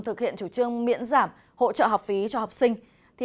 thực hiện chủ trương miễn giảm hỗ trợ học phí cho học sinh